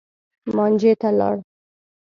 مانجې ته لاړ.